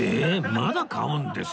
まだ買うんですか？